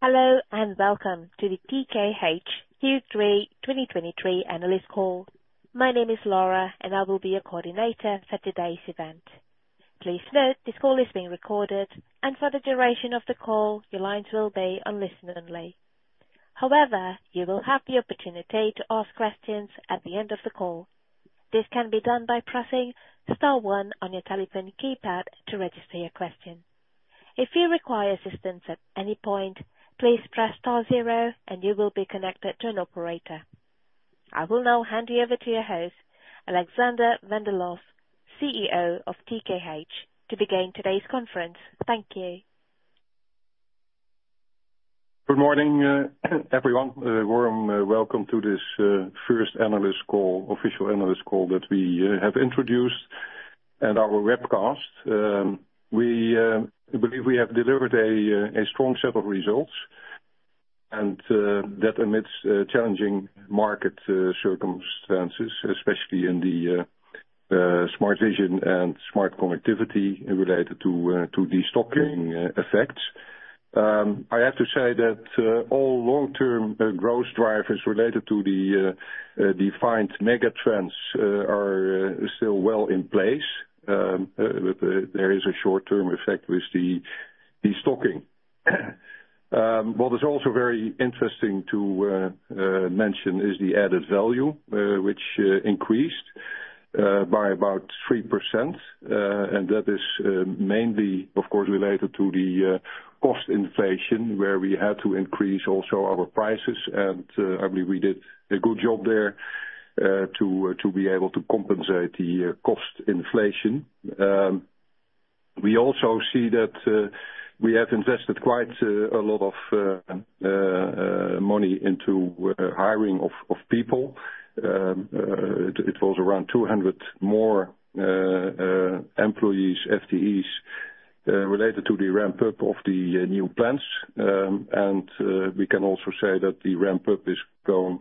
Hello, and welcome to the TKH Q3 2023 analyst call. My name is Laura, and I will be your coordinator for today's event. Please note, this call is being recorded, and for the duration of the call, your lines will be on listen only. However, you will have the opportunity to ask questions at the end of the call. This can be done by pressing star one on your telephone keypad to register your question. If you require assistance at any point, please press star zero, and you will be connected to an operator. I will now hand you over to your host, Alexander van der Lof, CEO of TKH, to begin today's conference. Thank you. Good morning, everyone. Warm welcome to this first analyst call, official analyst call that we have introduced, and our webcast. We believe we have delivered a strong set of results, and that amidst challenging market circumstances, especially in the Smart Vision and Smart Connectivity related to destocking effects. I have to say that all long-term growth drivers related to the defined mega trends are still well in place. But there is a short-term effect with the destocking. What is also very interesting to mention is the added value, which increased by about 3%. And that is mainly, of course, related to the cost inflation, where we had to increase also our prices. I believe we did a good job there to be able to compensate the cost inflation. We also see that we have invested quite a lot of money into hiring of people. It was around 200 more employees, FTEs, related to the ramp-up of the new plants. We can also say that the ramp-up is going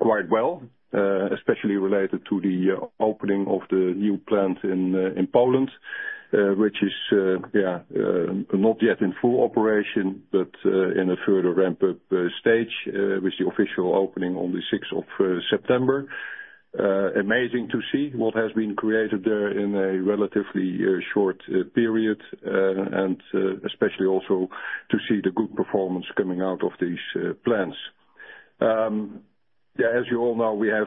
quite well, especially related to the opening of the new plant in Poland, which is yeah not yet in full operation, but in a further ramp-up stage, with the official opening on the sixth of September. Amazing to see what has been created there in a relatively short period, and especially also to see the good performance coming out of these plants. Yeah, as you all know, we have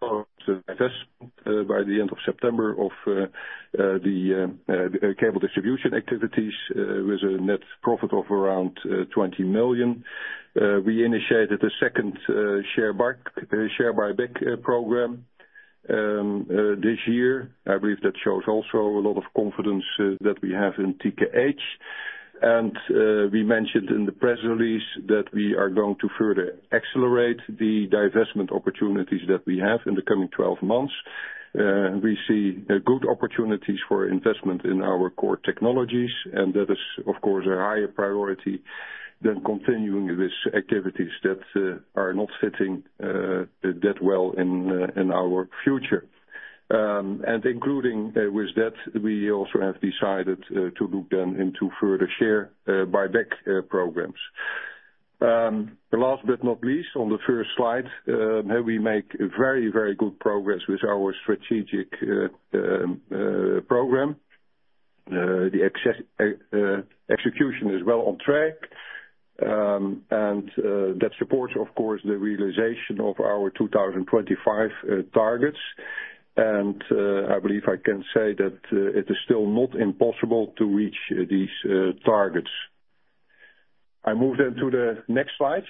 by the end of September the cable distribution activities with a net profit of around 20 million. We initiated a second share buyback program this year. I believe that shows also a lot of confidence that we have in TKH. And we mentioned in the press release that we are going to further accelerate the divestment opportunities that we have in the coming 12 months. We see good opportunities for investment in our core technologies, and that is, of course, a higher priority than continuing with activities that are not fitting that well in our future. And including with that, we also have decided to look then into further share buyback programs. Last but not least, on the first slide, we make very, very good progress with our strategic program. The access execution is well on track, and that supports, of course, the realization of our 2025 targets. And I believe I can say that it is still not impossible to reach these targets. I move then to the next slide.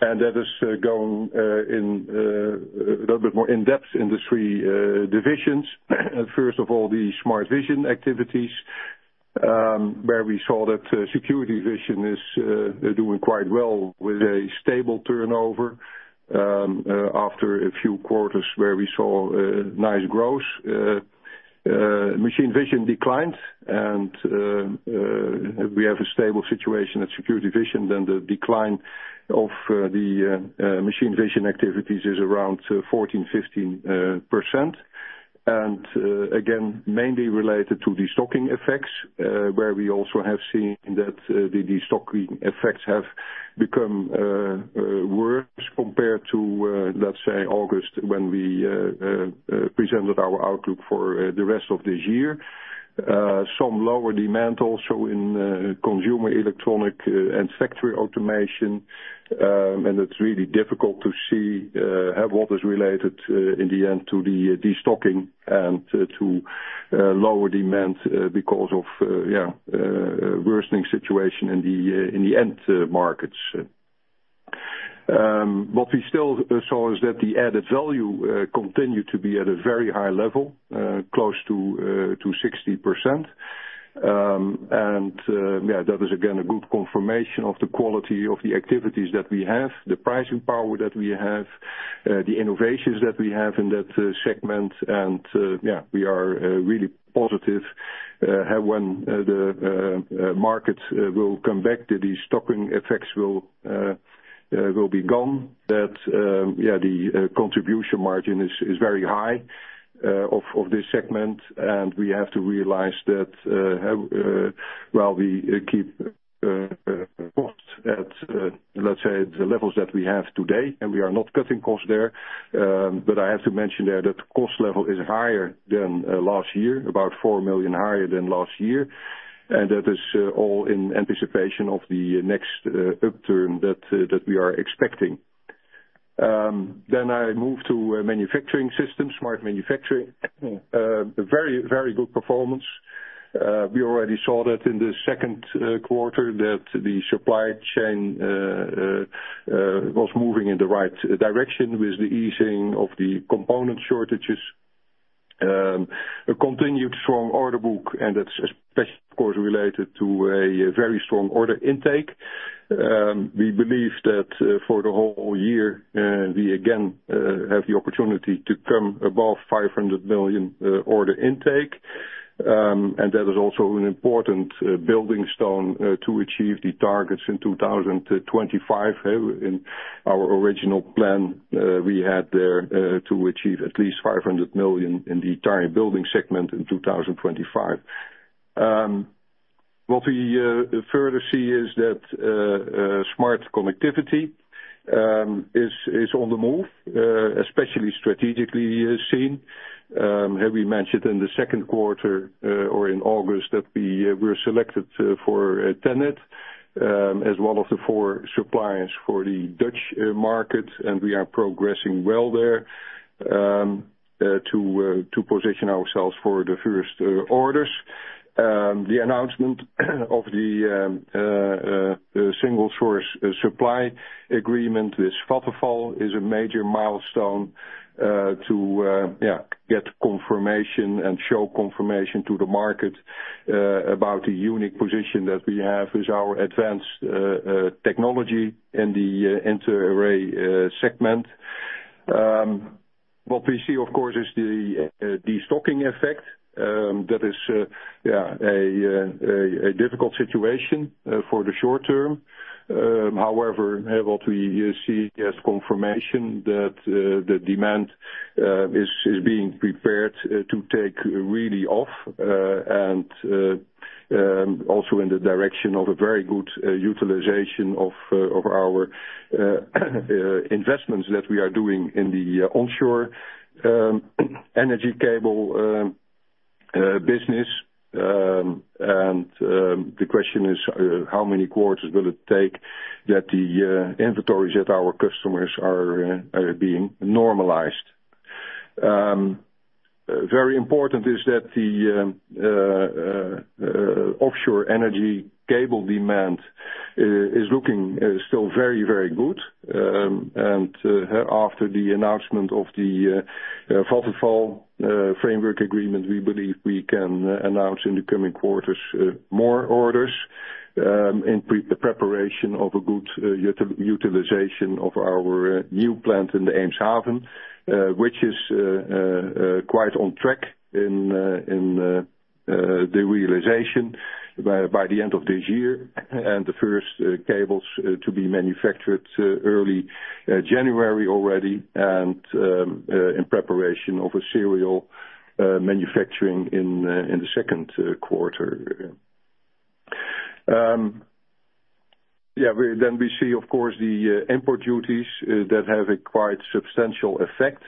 That is going in a little bit more in-depth in the three divisions. First of all, the Smart Vision activities, where we saw that Security Vision is doing quite well with a stable turnover. After a few quarters where we saw nice growth, Machine Vision declined and we have a stable situation at Security Vision, then the decline of the Machine Vision activities is around 14%-15%. Again, mainly related to destocking effects, where we also have seen that the destocking effects have become worse compared to, let's say, August, when we presented our outlook for the rest of this year. Some lower demand also in consumer electronic and factory automation. It's really difficult to see what is related in the end to the destocking and to lower demand because of yeah worsening situation in the end markets. What we still saw is that the added value continued to be at a very high level close to 60%. Yeah, that is again a good confirmation of the quality of the activities that we have, the pricing power that we have, the innovations that we have in that segment. Yeah, we are really positive when the markets will come back, that these destocking effects will be gone. That, yeah, the contribution margin is very high for this segment, and we have to realize that while we keep costs at, let's say, the levels that we have today, and we are not cutting costs there. But I have to mention there that cost level is higher than last year, about 4 million higher than last year, and that is all in anticipation of the next upturn that we are expecting. Then I move to manufacturing systems, Smart Manufacturing. A very, very good performance. We already saw that in the second quarter, that the supply chain was moving in the right direction with the easing of the component shortages. A continued strong order book, and that's especially, of course, related to a very strong order intake. We believe that, for the whole year, we again, have the opportunity to come above 500 million order intake. And that is also an important, building stone, to achieve the targets in 2020-2025. In our original plan, we had there, to achieve at least 500 million in the Tire Building segment in 2025. What we further see is that, Smart Connectivity, is, is on the move, especially strategically, scene. Have we mentioned in the second quarter or in August that we were selected for TenneT as one of the four suppliers for the Dutch market, and we are progressing well there to position ourselves for the first orders? The announcement of the single source supply agreement with Vattenfall is a major milestone to yeah get confirmation and show confirmation to the market about the unique position that we have with our advanced technology in the inter-array segment. What we see, of course, is the stocking effect that is yeah a difficult situation for the short term. However, what we see as confirmation that the demand is being prepared to take really off and also in the direction of a very good utilization of our investments that we are doing in the onshore energy cable business. And the question is, how many quarters will it take that the inventories at our customers are being normalized? Very important is that the offshore energy cable demand is looking still very, very good. After the announcement of the Vattenfall framework agreement, we believe we can announce in the coming quarters more orders in the preparation of a good utilization of our new plant in the Eemshaven, which is quite on track in the realization by the end of this year, and the first cables to be manufactured early January already, and in preparation of a serial manufacturing in the second quarter. Yeah, we then see, of course, the import duties that have a quite substantial effect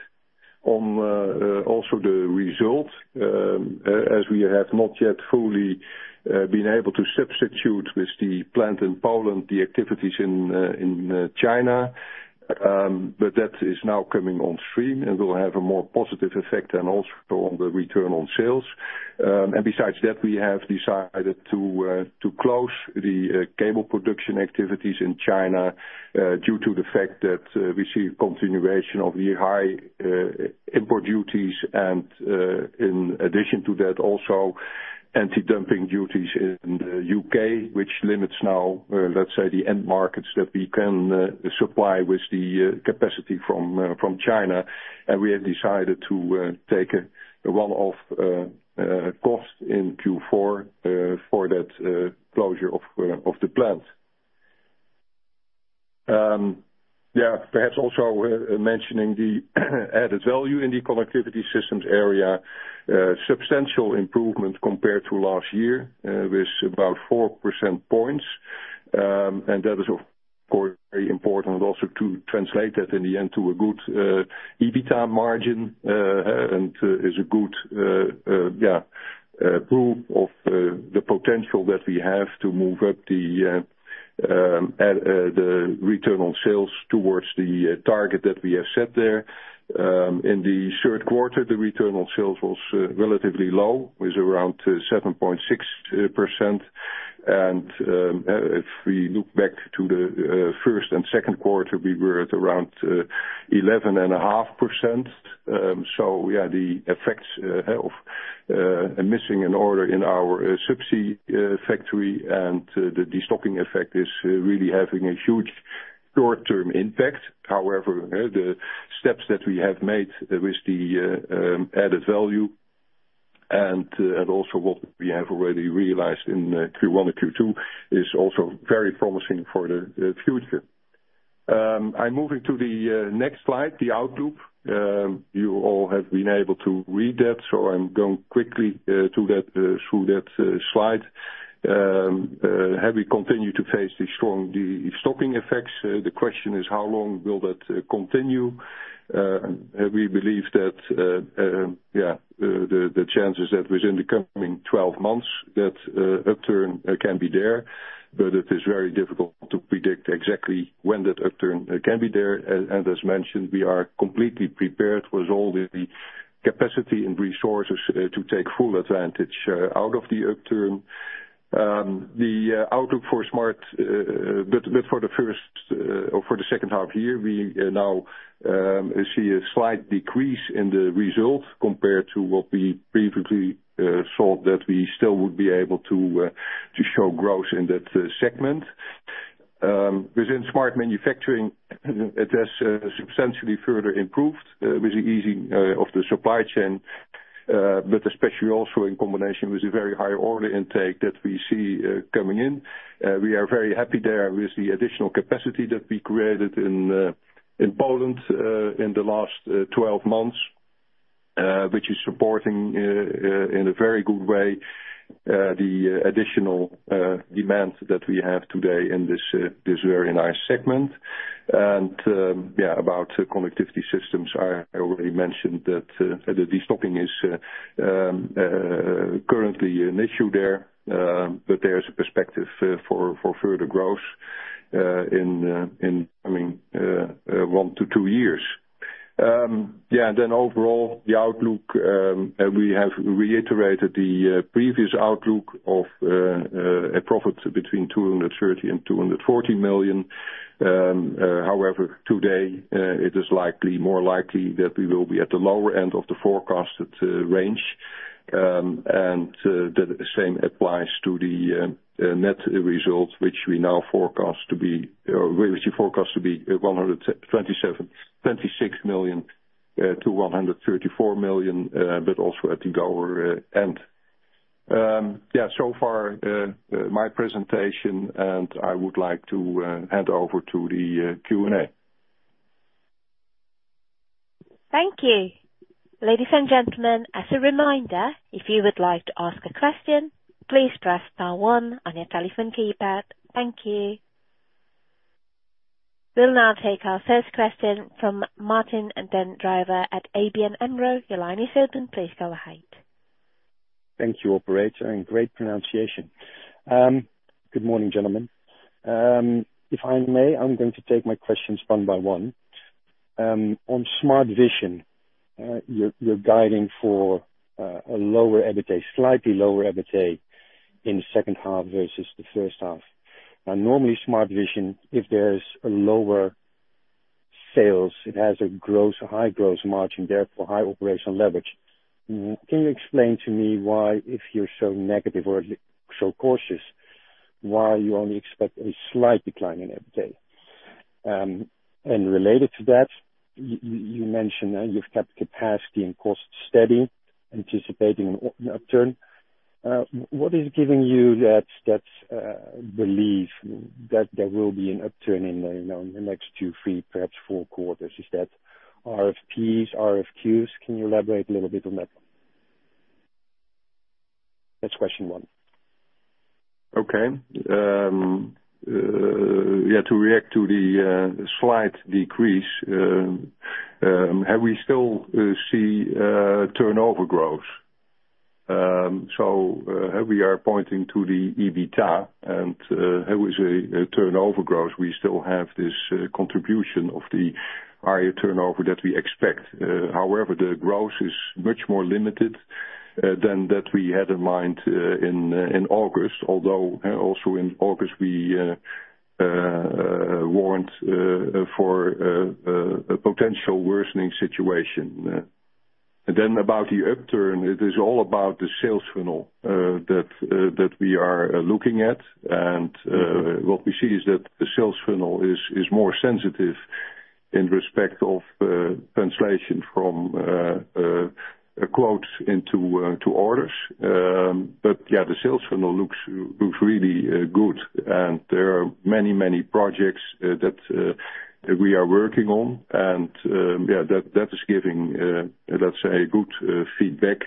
on also the result, as we have not yet fully been able to substitute with the plant in Poland, the activities in China. That is now coming on stream and will have a more positive effect, and also on the return on sales. And besides that, we have decided to close the cable production activities in China due to the fact that we see a continuation of the high import duties, and in addition to that, also anti-dumping duties in the U.K., which limits now, let's say, the end markets that we can supply with the capacity from China. And we have decided to take a one-off cost in Q4 for that closure of the plant. Yeah, perhaps also mentioning the added value in the connectivity systems area, substantial improvement compared to last year, with about 4 percentage points. And that is, of course, very important also to translate that in the end to a good EBITDA margin, and is a good proof of the potential that we have to move up the return on sales towards the target that we have set there. In the third quarter, the return on sales was relatively low, was around 7.6%. If we look back to the first and second quarter, we were at around 11.5%. So yeah, the effects of missing an order in our subsea factory and the stocking effect is really having a huge impact, short-term impact. However, the steps that we have made with the added value and also what we have already realized in Q1 and Q2 is also very promising for the future. I'm moving to the next slide, the outlook. You all have been able to read that, so I'm going quickly through that slide. Have we continued to face the strong destocking effects? The question is, how long will that continue? We believe that the chances that within the coming 12 months, that upturn can be there, but it is very difficult to predict exactly when that upturn can be there. As mentioned, we are completely prepared with all the capacity and resources to take full advantage out of the upturn. The outlook for Smart, but for the second half year, we now see a slight decrease in the results compared to what we previously thought that we still would be able to show growth in that segment. Within Smart Manufacturing, it has substantially further improved, with the easing of the supply chain, but especially also in combination with a very high order intake that we see coming in. We are very happy there with the additional capacity that we created in Poland in the last 12 months, which is supporting in a very good way the additional demand that we have today in this very nice segment. Yeah, about connectivity systems, I already mentioned that the destocking is currently an issue there, but there is a perspective for further growth in, I mean, one to two years. Yeah, and then overall, the outlook, we have reiterated the previous outlook of a profit between 230 million and 240 million. However, today, it is more likely that we will be at the lower end of the forecasted range. The same applies to the net results, which we now forecast to be 126 million-127 million to 134 million, but also at the lower end. Yeah, so far, my presentation, and I would like to hand over to the Q&A. Thank you. Ladies and gentlemen, as a reminder, if you would like to ask a question, please press star one on your telephone keypad. Thank you. We'll now take our first question from Martijn den Drijver at ABN AMRO. Your line is open. Please go ahead. Thank you, operator, and great pronunciation. Good morning, gentlemen. If I may, I'm going to take my questions one by one. On Smart Vision, you're guiding for a lower EBITDA, slightly lower EBITDA in the second half versus the first half. Now, normally, Smart Vision, if there's lower sales, it has a high gross margin, therefore high operational leverage. Can you explain to me why, if you're so negative or so cautious, why you only expect a slight decline in EBITDA? Related to that, you mentioned that you've kept capacity and costs steady, anticipating an upturn. What is giving you that belief that there will be an upturn in, you know, in the next two, three, perhaps four quarters? Is that RFPs, RFQs? Can you elaborate a little bit on that? That's question one. Okay. Yeah, to react to the slight decrease, we still see turnover growth. So, we are pointing to the EBITDA, and there was a turnover growth. We still have this contribution of the higher turnover that we expect. However, the growth is much more limited than that we had in mind in August, although also in August, we warned for a potential worsening situation. Then about the upturn, it is all about the sales funnel that we are looking at. What we see is that the sales funnel is more sensitive in respect of translation from quotes into orders. But yeah, the sales funnel looks really good, and there are many, many projects that we are working on. And yeah, that is giving, let's say, good feedback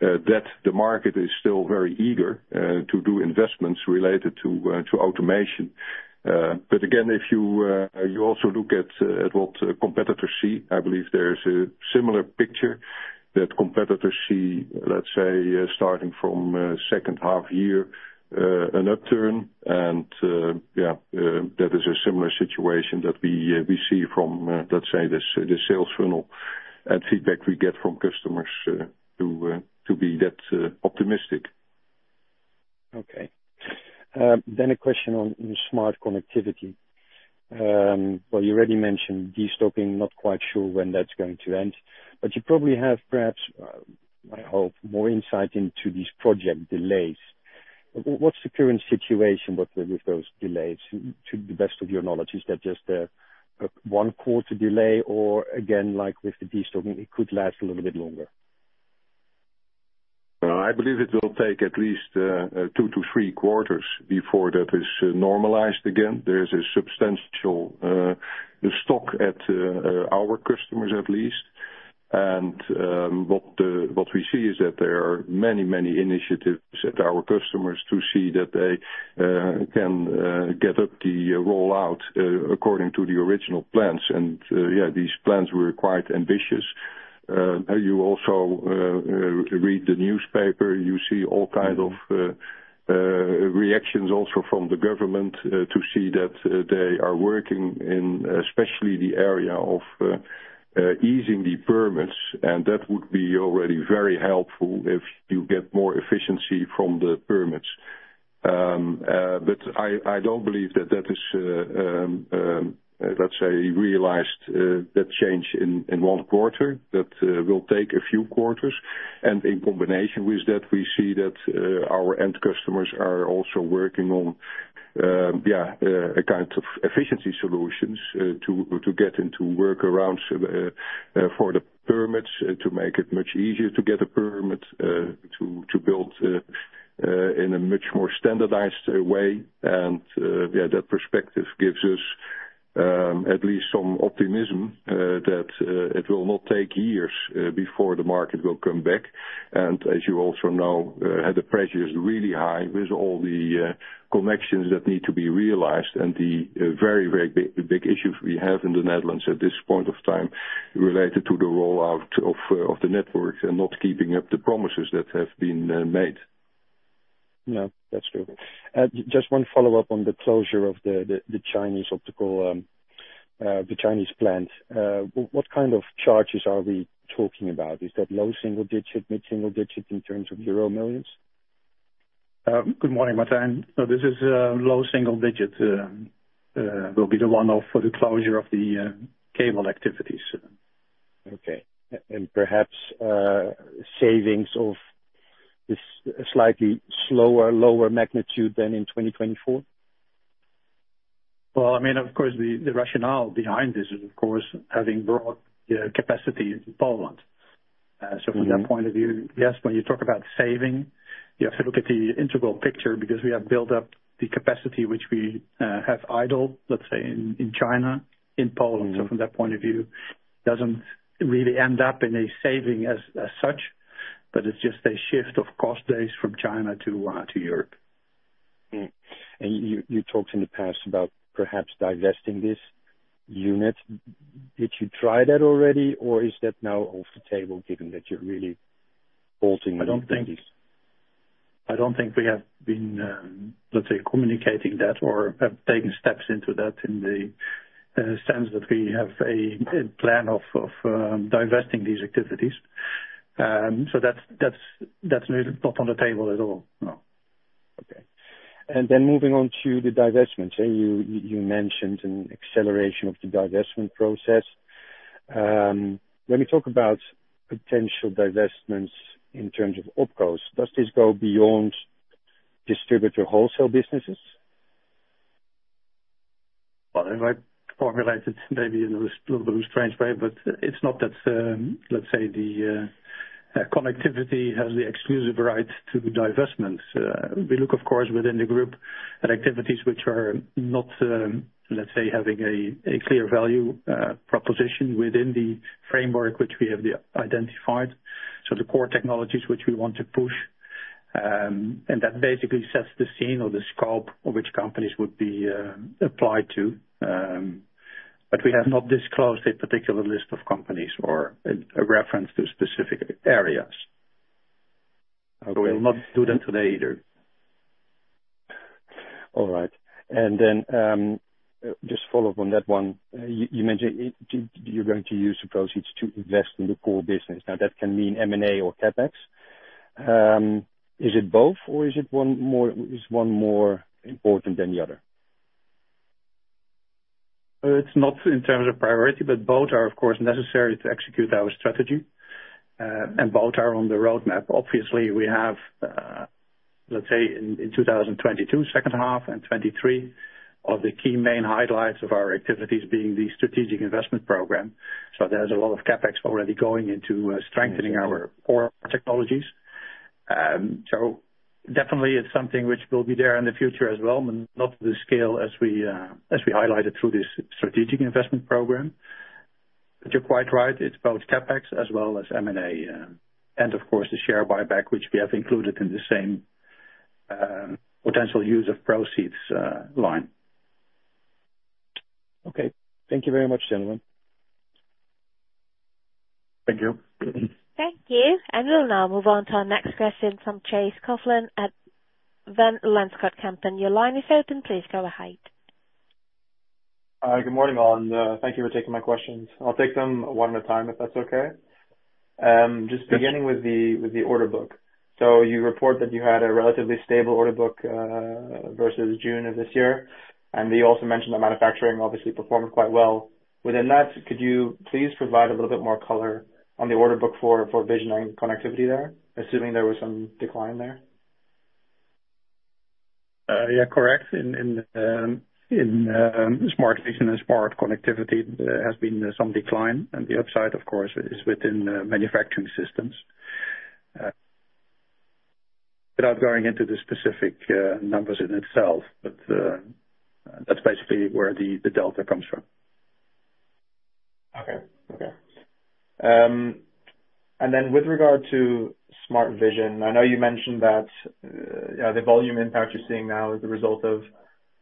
that the market is still very eager to do investments related to automation. But again, if you also look at what competitors see, I believe there is a similar picture that competitors see, let's say, starting from second half year, an upturn. And yeah, that is a similar situation that we see from, let's say, the sales funnel and feedback we get from customers to be that optimistic. Okay. Then a question on Smart Connectivity. Well, you already mentioned de-stocking, not quite sure when that's going to end, but you probably have perhaps, I hope, more insight into these project delays. What's the current situation with those delays, to the best of your knowledge? Is that just a one quarter delay, or again, like with the destock, it could last a little bit longer? I believe it will take at least 2 quarters-3 quarters before that is normalized again. There is a substantial stock at our customers, at least. And what we see is that there are many, many initiatives at our customers to see that they can get up the rollout according to the original plans. And yeah, these plans were quite ambitious. You also read the newspaper, you see all kinds of reactions also from the government to see that they are working in especially the area of easing the permits, and that would be already very helpful if you get more efficiency from the permits. But I don't believe that that is, let's say, realized, that change in one quarter. That will take a few quarters, and in combination with that, we see that our end customers are also working on yeah a kind of efficiency solutions to get into workarounds for the permits, to make it much easier to get a permit to build in a much more standardized way. And yeah that perspective gives us at least some optimism that it will not take years before the market will come back. As you also know, the pressure is really high with all the connections that need to be realized, and the very, very big, the big issues we have in the Netherlands at this point of time related to the rollout of of the networks and not keeping up the promises that have been made. Yeah, that's true. Just one follow-up on the closure of the Chinese optical, the Chinese plant. What kind of charges are we talking about? Is that low single digit, mid-single digit in terms of euro millions? Good morning, Martin. So this is low single digit will be the one-off for the closure of the cable activities. Okay. Perhaps, savings of this slightly slower, lower magnitude than in 2024? Well, I mean, of course, the rationale behind this is, of course, having brought the capacity in Poland. So from that point of view, yes, when you talk about saving, you have to look at the integral picture, because we have built up the capacity which we have idle, let's say, in China, in Poland. So from that point of view, it doesn't really end up in a saving as such, but it's just a shift of cost base from China to Europe. You talked in the past about perhaps divesting this unit. Did you try that already, or is that now off the table, given that you're really bolting these activities? I don't think we have been, let's say, communicating that or have taken steps into that in the sense that we have a plan of divesting these activities. So that's not on the table at all, no. Okay. And then moving on to the divestments. You mentioned an acceleration of the divestment process. When we talk about potential divestments in terms of OpCos, does this go beyond distributor wholesale businesses? Well, if I formulated maybe in a little bit strange way, but it's not that, let's say the connectivity has the exclusive right to divestments. We look, of course, within the group at activities which are not, let's say, having a clear value proposition within the framework which we have identified. So the core technologies which we want to push, and that basically sets the scene or the scope of which companies would be applied to. But we have not disclosed a particular list of companies or a reference to specific areas. Okay. We will not do that today either. All right. Then, just follow up on that one. You, you mentioned you're going to use the proceeds to invest in the core business. Now, that can mean M&A or CapEx. Is it both, or is it one more, is one more important than the other? It's not in terms of priority, but both are, of course, necessary to execute our strategy, and both are on the roadmap. Obviously, we have, let's say, in, in 2022, second half and 2023, are the key main highlights of our activities being the strategic investment program. So there's a lot of CapEx already going into strengthening our core technologies. So definitely it's something which will be there in the future as well, but not the scale as we, as we highlighted through this strategic investment program. But you're quite right, it's both CapEx as well as M&A, and of course, the share buyback, which we have included in the same, potential use of proceeds, line. Okay. Thank you very much, gentlemen. Thank you. Thank you. And we'll now move on to our next question from Chase Coughlan at Van Lanschot Kempen. Your line is open. Please go ahead. Good morning, all, and thank you for taking my questions. I'll take them one at a time, if that's okay. Just beginning with the, with the order book. So you report that you had a relatively stable order book versus June of this year, and you also mentioned that manufacturing obviously performed quite well. Within that, could you please provide a little bit more color on the order book for, for vision and connectivity there, assuming there was some decline there? Yeah, correct. In Smart Vision and Smart Connectivity, there has been some decline, and the upside, of course, is within manufacturing systems. Without going into the specific numbers in itself, but that's basically where the delta comes from. Okay. Okay. And then with regard to Smart Vision, I know you mentioned that, yeah, the volume impact you're seeing now is a result of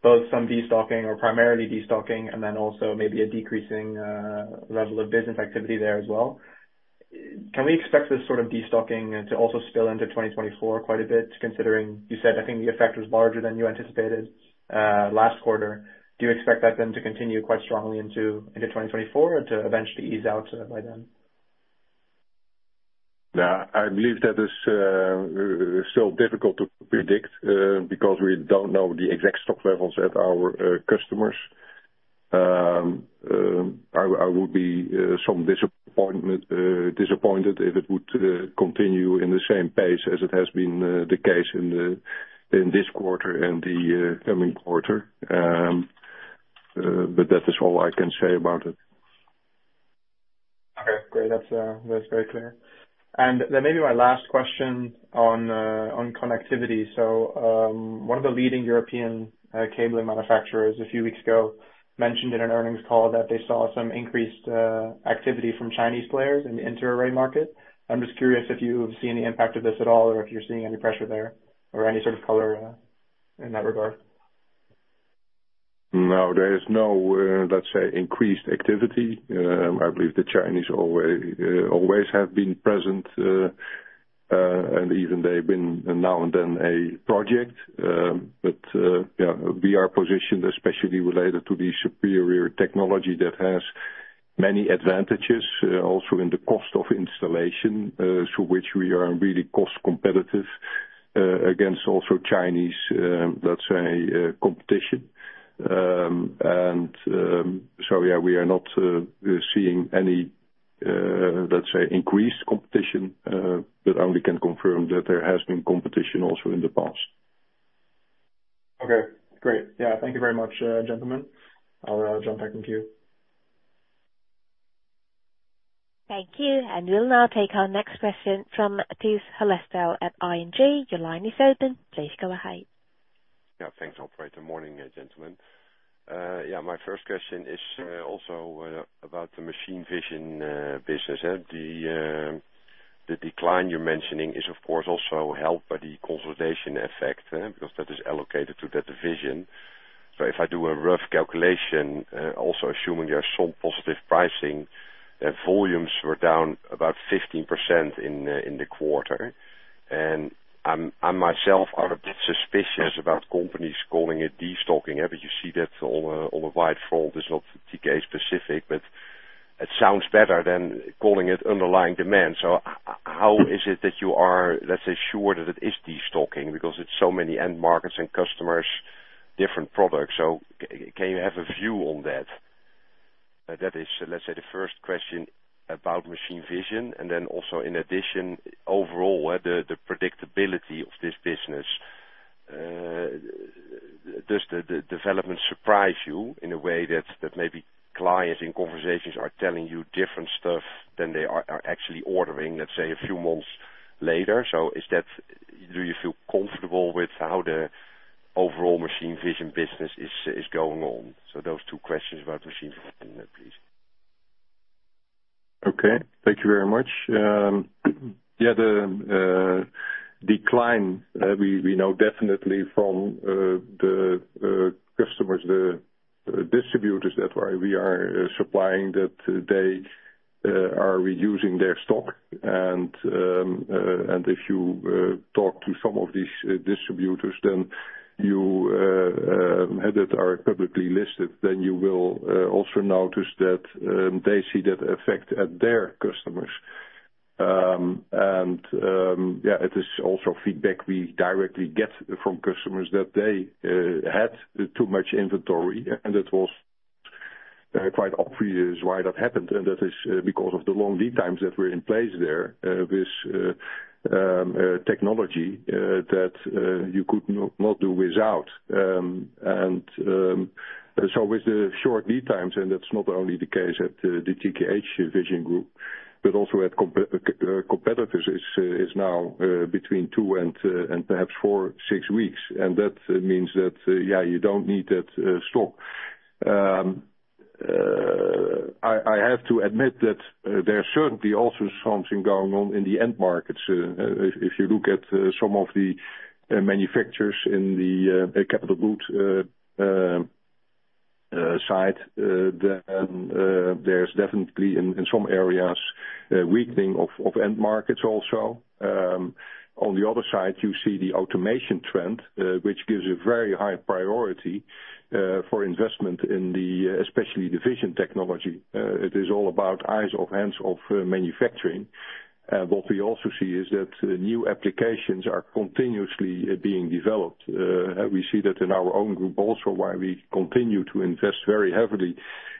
both some destocking or primarily destocking, and then also maybe a decreasing level of business activity there as well. Can we expect this sort of destocking to also spill into 2024 quite a bit, considering you said, I think the effect was larger than you anticipated last quarter? Do you expect that then to continue quite strongly into 2024, or to eventually ease out by then? Yeah, I believe that is still difficult to predict because we don't know the exact stock levels at our customers. I would be somewhat disappointed if it would continue in the same pace as it has been the case in this quarter and the coming quarter. But that is all I can say about it. Okay, great. That's very clear. And then maybe my last question on connectivity. So, one of the leading European cabling manufacturers, a few weeks ago, mentioned in an earnings call that they saw some increased activity from Chinese players in the inter-array market. I'm just curious if you have seen any impact of this at all, or if you're seeing any pressure there, or any sort of color in that regard? No, there is no, let's say, increased activity. I believe the Chinese always, always have been present, and even they've been now and then a project. But, yeah, we are positioned, especially related to the superior technology that has many advantages, also in the cost of installation, through which we are really cost competitive, against also Chinese, let's say, competition. So yeah, we are not seeing any, let's say, increased competition, but only can confirm that there has been competition also in the past. Okay, great. Yeah, thank you very much, gentlemen. I'll jump back in queue. Thank you. We'll now take our next question from Tijs Hollestelle at ING. Your line is open. Please go ahead. Yeah, thanks, operator. Morning, gentlemen. Yeah, my first question is also about the machine vision business. The decline you're mentioning is, of course, also helped by the consolidation effect, because that is allocated to that division. So if I do a rough calculation, also assuming there are some positive pricing, then volumes were down about 15% in the quarter. And I'm, I myself are a bit suspicious about companies calling it destocking, but you see that on a wide front. It's not TK specific, but it sounds better than calling it underlying demand. So how is it that you are, let's say, sure that it is destocking? Because it's so many end markets and customers, different products. So can you have a view on that? That is, let's say, the first question about machine vision, and then also in addition, overall, the predictability of this business. Does the development surprise you in a way that maybe clients in conversations are telling you different stuff than they are actually ordering, let's say, a few months later? Do you feel comfortable with how the overall machine vision business is going on? So those two questions about machine vision, please. Okay, thank you very much. Yeah, the decline, we know definitely from the customers, the distributors that we are supplying, that they are reducing their stock. And if you talk to some of these distributors that are publicly listed, then you will also notice that they see that effect at their customers. And yeah, it is also feedback we directly get from customers that they had too much inventory, and it was quite obvious why that happened, and that is because of the long lead times that were in place there with technology that you could not do without. And so with the short lead times, and that's not only the case at the TKH Vision Group, but also at competitors, is now between two and perhaps four, six weeks. And that means that, yeah, you don't need that stock. I have to admit that there are certainly also something going on in the end markets. If you look at some of the manufacturers in the capital goods side, then there's definitely in some areas, a weakening of end markets also. On the other side, you see the automation trend, which gives a very high priority for investment in especially the vision technology. It is all about eyes-off, hands-off manufacturing. What we also see is that new applications are continuously being developed. We see that in our own group also, why we continue to invest very heavily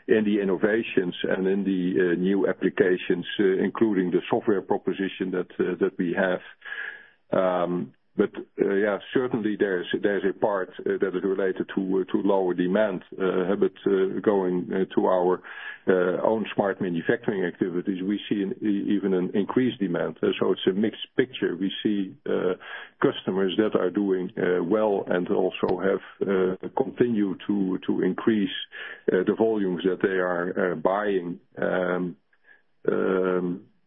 in the innovations and in the new applications, including the software proposition that that we have. But, yeah, certainly there is, there's a part that is related to to lower demand, but going to our own Smart manufacturing activities, we see an even an increased demand. So it's a mixed picture. We see customers that are doing well and also have continued to to increase the volumes that they are buying. Yeah,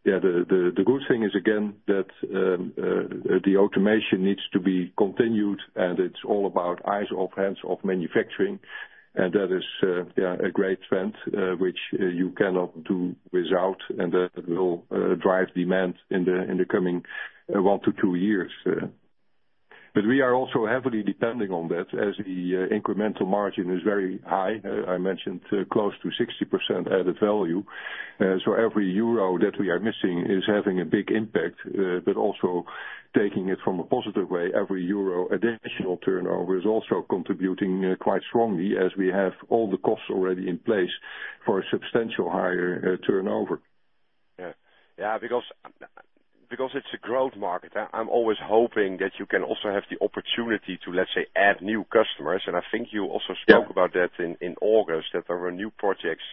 the good thing is, again, that the automation needs to be continued, and it's all about eyes off, hands-off manufacturing. And that is, yeah, a great trend, which you cannot do without, and that will drive demand in the coming one to two years. But we are also heavily depending on that as the incremental margin is very high. I mentioned close to 60% added value. So every euro that we are missing is having a big impact, but also taking it from a positive way, every euro additional turnover is also contributing quite strongly as we have all the costs already in place for a substantial higher turnover. Yeah. Yeah, because, because it's a growth market, I'm always hoping that you can also have the opportunity to, let's say, add new customers. And I think you also spoke- Yeah About that in August, that there were new projects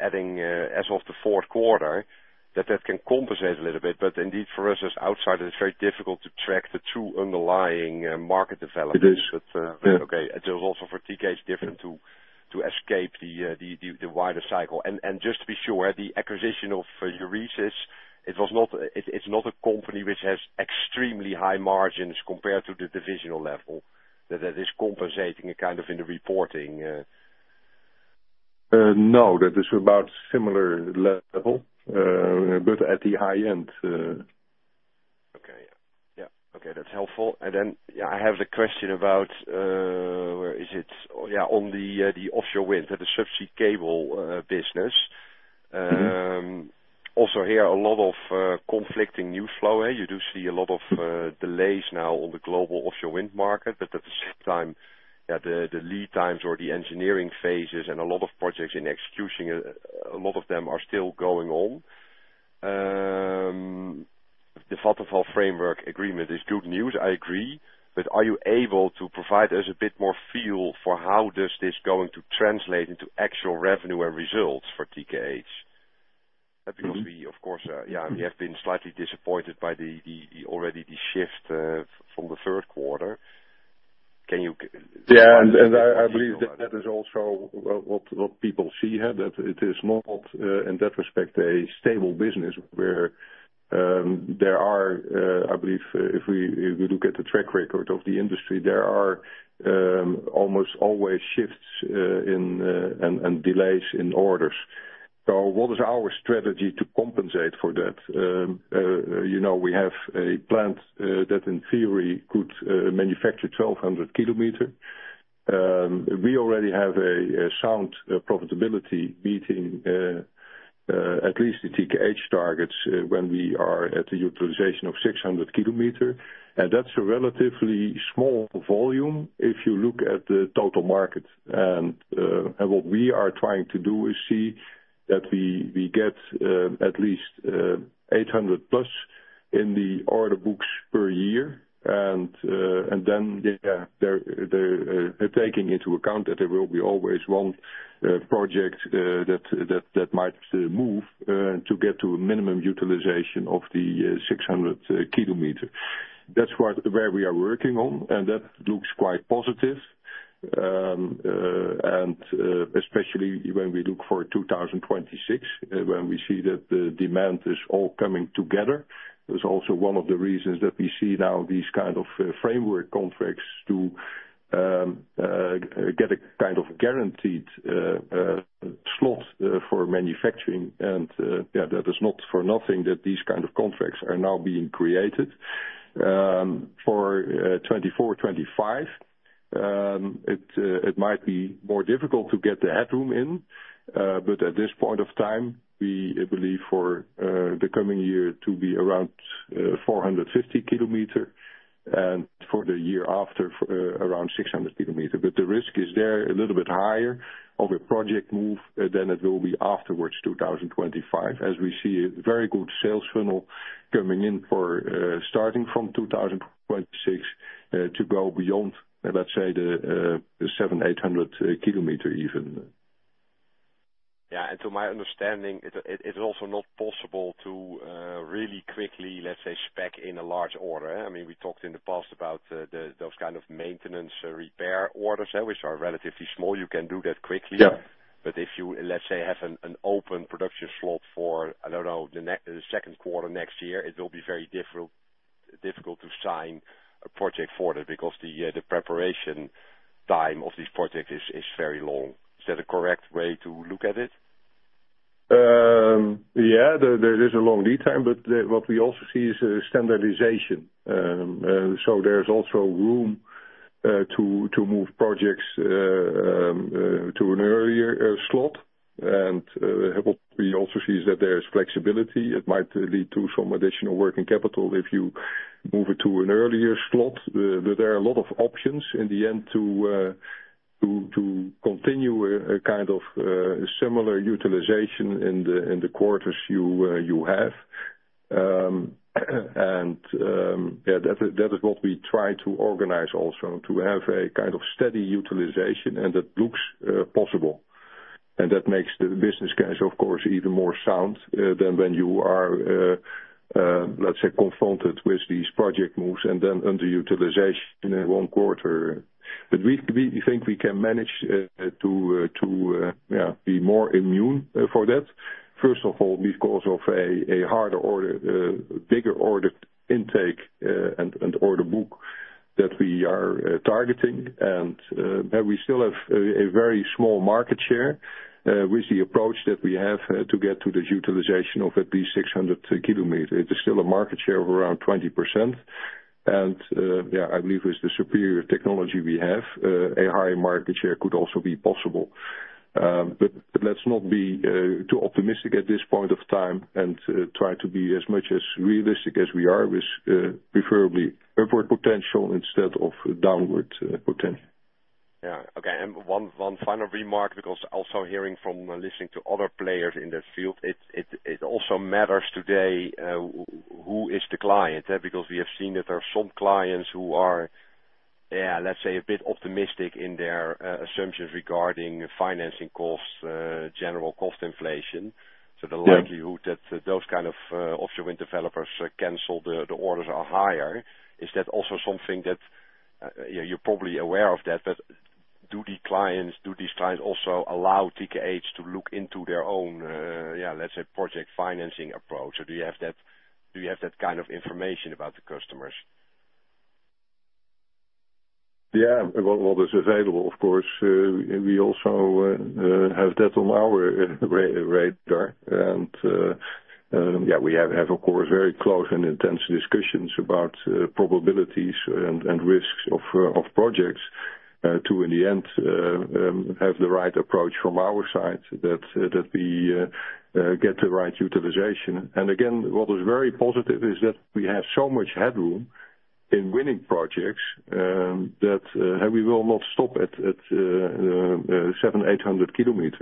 adding as of the fourth quarter, that that can compensate a little bit. But indeed, for us, as outsiders, it's very difficult to track the true underlying market development. It is. But, okay, it is also for TKH different to escape the wider cycle. And, just to be sure, the acquisition of Euresys, it was not, it's not a company which has extremely high margins compared to the divisional level, that it is compensating kind of in the reporting? No, that is about similar level, but at the high end. Okay. Yeah. Okay, that's helpful. And then, yeah, I have the question about, where is it? Yeah, on the, the offshore wind, the subsea cable business. Mm-hmm. Also here, a lot of conflicting news flow. You do see a lot of delays now on the global offshore wind market, but at the same time, yeah, the lead times or the engineering phases and a lot of projects in execution, a lot of them are still going on. The Vattenfall framework agreement is good news, I agree, but are you able to provide us a bit more feel for how this is going to translate into actual revenue and results for TKH? Because we, of course, yeah, we have been slightly disappointed by the already the shift from the third quarter. Can you- Yeah, and I believe that that is also what people see, that it is not, in that respect, a stable business where there are, I believe, if we look at the track record of the industry, there are almost always shifts in and delays in orders. So what is our strategy to compensate for that? You know, we have a plant that, in theory, could manufacture 1,200 km. We already have a sound profitability meeting at least the TKH targets when we are at the utilization of 600 km, and that's a relatively small volume if you look at the total market. What we are trying to do is see that we get at least 800+ in the order books per year. And then, yeah, they're taking into account that there will always be one project that might move to get to a minimum utilization of the 600 km. That's where we are working on, and that looks quite positive. And, especially when we look for 2026, when we see that the demand is all coming together. That's also one of the reasons that we see now these kind of framework contracts to get a kind of guaranteed slot for manufacturing. Yeah, that is not for nothing, that these kind of contracts are now being created. For 2024-2025, it might be more difficult to get the headroom in, but at this point of time, we believe for the coming year to be around 450 km, and for the year after, around 600 km. But the risk is there, a little bit higher of a project move than it will be afterwards, 2025. As we see a very good sales funnel coming in for starting from 2026 to go beyond, let's say, the 700km-800 km even. Yeah, and to my understanding, it is also not possible to really quickly, let's say, spec in a large order. I mean, we talked in the past about those kind of maintenance repair orders, which are relatively small. You can do that quickly. Yeah. But if you, let's say, have an open production slot for, I don't know, the next, the second quarter next year, it will be very difficult to sign a project for it, because the preparation time of this project is very long. Is that a correct way to look at it? Yeah, there is a long lead time, but what we also see is standardization. So there's also room to move projects to an earlier slot. And what we also see is that there is flexibility. It might lead to some additional working capital if you move it to an earlier slot. There are a lot of options in the end to continue a kind of similar utilization in the quarters you have. That is what we try to organize also, to have a kind of steady utilization, and that looks possible. That makes the business case, of course, even more sound than when you are, let's say, confronted with these project moves and then underutilization in one quarter. But we think we can manage to, yeah, be more immune for that. First of all, because of a harder order, bigger order intake, and order book that we are targeting. But we still have a very small market share with the approach that we have to get to this utilization of at least 600 km. It is still a market share of around 20%, and, yeah, I believe with the superior technology we have, a higher market share could also be possible. But let's not be too optimistic at this point of time and try to be as much as realistic as we are with preferably upward potential instead of downward potential. Yeah. Okay, one final remark, because also hearing from listening to other players in this field, it also matters today, who is the client, yeah? Because we have seen that there are some clients who are, yeah, let's say, a bit optimistic in their assumptions regarding financing costs, general cost inflation. Yeah. So the likelihood that those kind of offshore wind developers cancel the orders are higher. Is that also something that you're probably aware of that, but do the clients, do these clients also allow TKH to look into their own, yeah, let's say, project financing approach? Or do you have that, do you have that kind of information about the customers? Yeah, well, that's available, of course. We also have that on our radar. And yeah, we have, of course, very close and intense discussions about probabilities and risks of projects to, in the end, have the right approach from our side that we get the right utilization. And again, what is very positive is that we have so much headroom in winning projects that we will not stop at 700 km-800 km.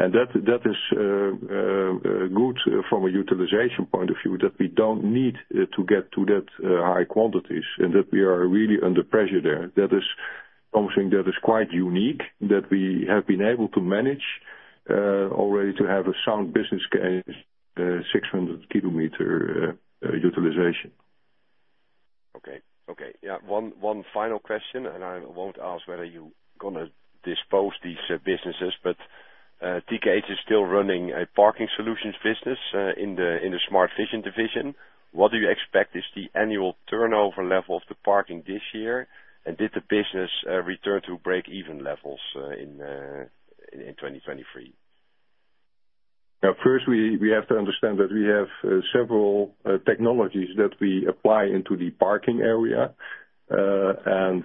And that is good from a utilization point of view, that we don't need to get to that high quantities, and that we are really under pressure there. That is something that is quite unique, that we have been able to manage already to have a sound business case, 600 km utilization. Okay, okay. Yeah, one final question, and I won't ask whether you're gonna dispose these businesses, but TKH is still running a parking solutions business in the Smart Vision division. What do you expect is the annual turnover level of the parking this year? And did the business return to break-even levels in 2023? Now, first, we have to understand that we have several technologies that we apply into the parking area. And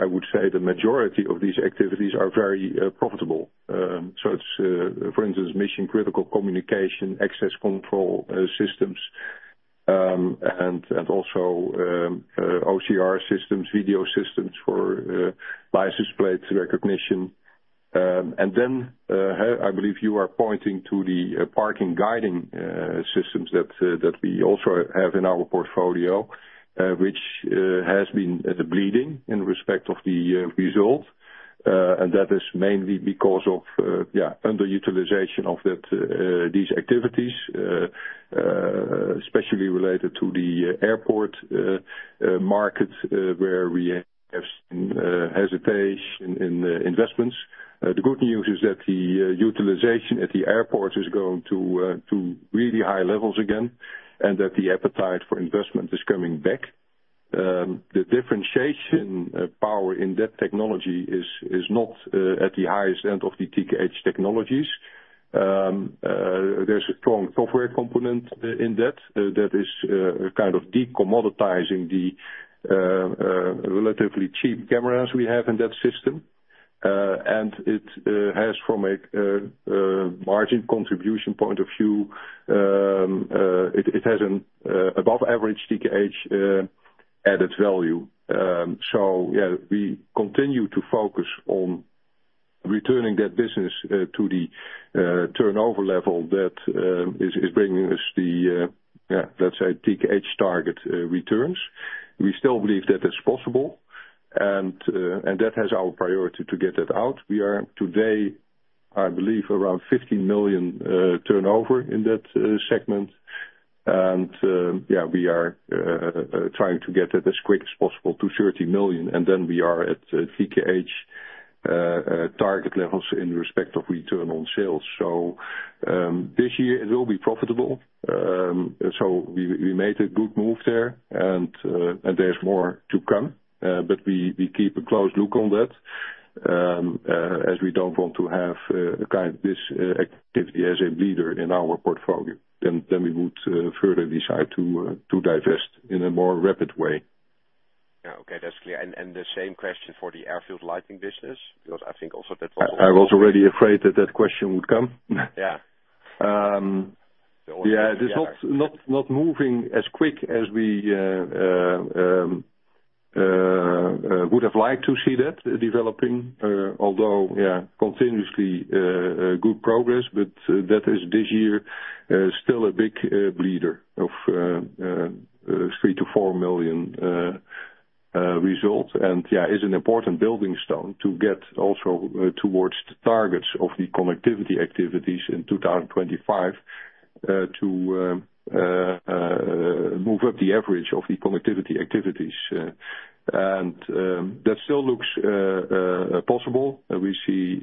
I would say the majority of these activities are very profitable. So it's for instance, mission-critical communication, access control systems, and also OCR systems, video systems for license plates recognition. And then I believe you are pointing to the parking guiding systems that we also have in our portfolio, which has been the bleeding in respect of the result. And that is mainly because of yeah, underutilization of that these activities, especially related to the airport market, where we have seen hesitation in investments. The good news is that the utilization at the airport is going to really high levels again, and that the appetite for investment is coming back. The differentiation power in that technology is not at the highest end of the TKH technologies. There's a strong software component in that is kind of decommoditizing the relatively cheap cameras we have in that system. And it has from a margin contribution point of view, it has an above average TKH added value. So yeah, we continue to focus on returning that business to the turnover level that is bringing us the yeah, let's say, TKH target returns. We still believe that is possible, and that has our priority to get that out. We are today, I believe, around 15 million turnover in that segment. And, yeah, we are trying to get it as quick as possible to 30 million, and then we are at TKH target levels in respect of return on sales. So, this year it will be profitable. So we, we made a good move there, and there's more to come, but we, we keep a close look on that, as we don't want to have kind of this activity as a leader in our portfolio, then, then we would further decide to divest in a more rapid way. Yeah, okay, that's clear. And the same question for the airfield lighting business, because I think also that's- I was already afraid that question would come. Yeah. Yeah, it's not moving as quick as we would have liked to see that developing, although yeah, continuously good progress, but that is this year still a big bleeder of 3 million-4 million results. And yeah, is an important building stone to get also towards the targets of the connectivity activities in 2025 to move up the average of the connectivity activities. And that still looks possible. We see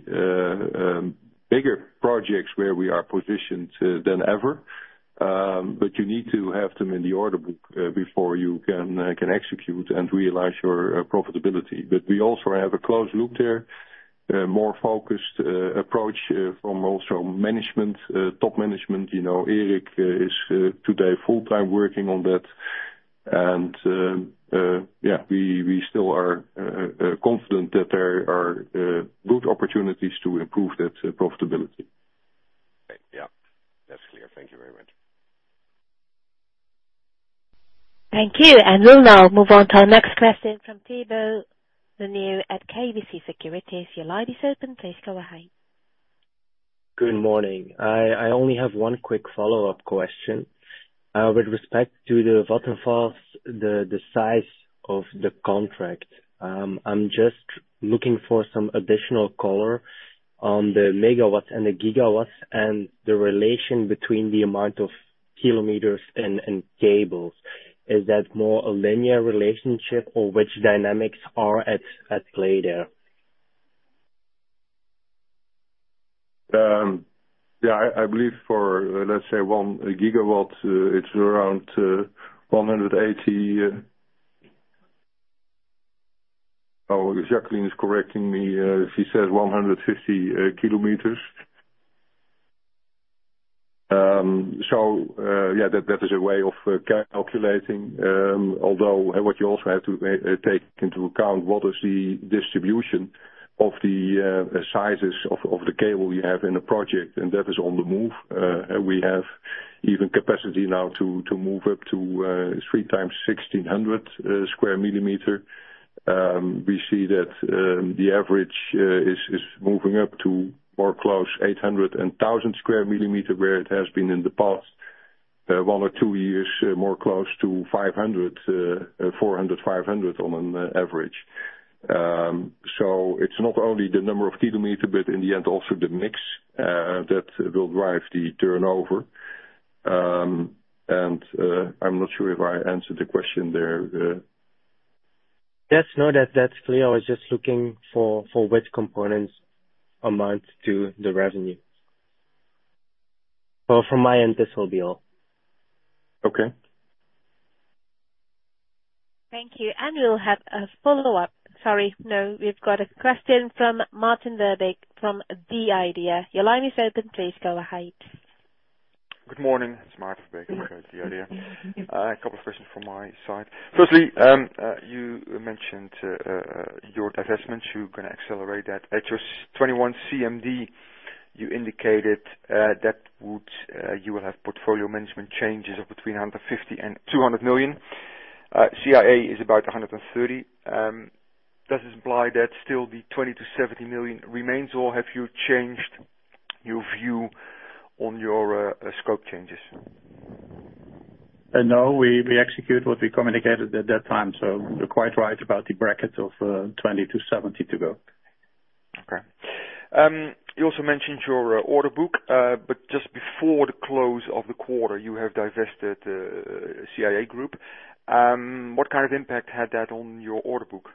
bigger projects where we are positioned than ever. But you need to have them in the order book before you can execute and realize your profitability. But we also have a close look there, more focused approach from also management, top management. You know, Erik is today full-time working on that. And, yeah, we still are confident that there are good opportunities to improve that profitability. Yeah, that's clear. Thank you very much. Thank you. We'll now move on to our next question from Thibault Leneeuw at KBC Securities. Your line is open. Please go ahead. Good morning. I only have one quick follow-up question. With respect to the Vattenfall, the size of the contract. I'm just looking for some additional color on the megawatts and the gigawatts, and the relation between the amount of kilometers and cables. Is that more a linear relationship, or which dynamics are at play there? Yeah, I believe for, let's say, 1 GW, it's around 180... Jacqueline is correcting me. She says 150 km. So, yeah, that is a way of calculating. Although, what you also have to take into account, what is the distribution of the sizes of the cable you have in a project, and that is on the move. We have even capacity now to move up to 3 times 1,600 mm². We see that the average is moving up to more close 800 mm² and 1,000 mm², where it has been in the past one or two years, more close to 500, 400-500 on an average. So it's not only the number of kilometers, but in the end, also the mix, that will drive the turnover. And, I'm not sure if I answered the question there. Yes. No, that's clear. I was just looking for which components amount to the revenue. Well, from my end, this will be all. Okay. Thank you. We'll have a follow-up. Sorry, no. We've got a question from Maarten Verbeek from The Idea. Your line is open. Please go ahead. Good morning, it's Maarten Verbeek from The Idea. A couple of questions from my side. Firstly, you mentioned your divestment. You're going to accelerate that. At your 2021 CMD, you indicated that you will have portfolio management changes of between 150 million and 200 million. CAE is about 130. Does this imply that still the 20 million-70 million remains, or have you changed your view on your scope changes? No, we, we execute what we communicated at that time, so you're quite right about the bracket of 20-70 to go. Okay. You also mentioned your order book, but just before the close of the quarter, you have divested CAE Group. What kind of impact had that on your order book?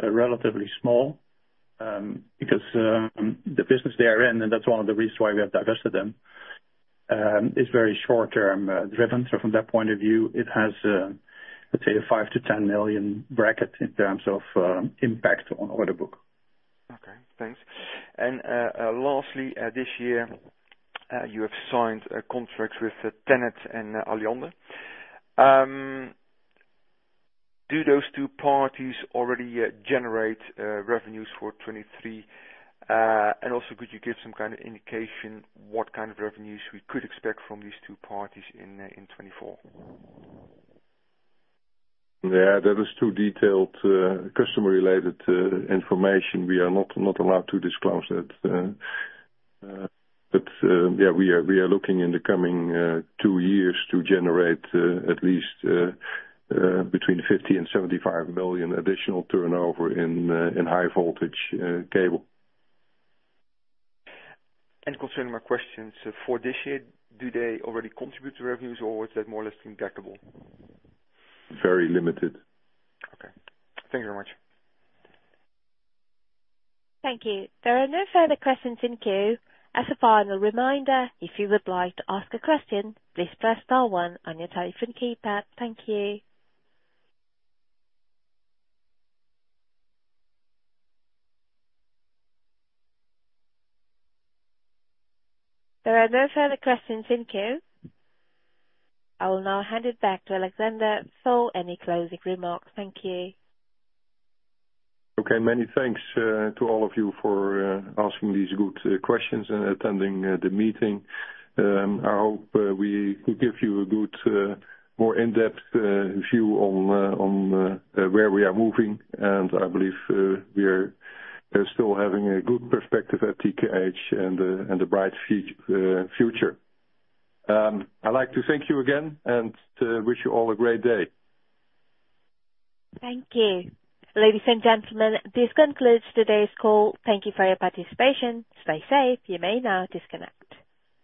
Relatively small, because the business they are in, and that's one of the reasons why we have divested them, is very short-term driven. So from that point of view, it has, let's say, a 5 million-10 million bracket in terms of impact on order book. Okay, thanks. And lastly, this year, you have signed a contract with TenneT and Alliander. Do those two parties already generate revenues for 2023? And also, could you give some kind of indication what kind of revenues we could expect from these two parties in 2024? Yeah, that is too detailed, customer-related information. We are not allowed to disclose that. But yeah, we are looking in the coming two years to generate at least between 50 million and 75 million additional turnover in high voltage cable. Concerning my questions for this year, do they already contribute to revenues, or is that more or less negligible? Very limited. Okay. Thank you very much. Thank you. There are no further questions in queue. As a final reminder, if you would like to ask a question, please press star one on your telephone keypad. Thank you. There are no further questions in queue. I will now hand it back to Alexander for any closing remarks. Thank you. Okay, many thanks to all of you for asking these good questions and attending the meeting. I hope we could give you a good more in-depth view on where we are moving, and I believe we are still having a good perspective at TKH and a bright future. I'd like to thank you again and wish you all a great day. Thank you. Ladies and gentlemen, this concludes today's call. Thank you for your participation. Stay safe. You may now disconnect.